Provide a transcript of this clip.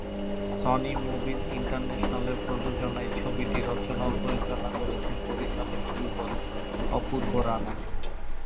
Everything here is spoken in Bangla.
সনি মুভিজ ইন্টারন্যাশনালের প্রযোজনায় ছবিটি রচনা ও পরিচালনা করেছেন পরিচালক যুগল অপূর্ব-রানা।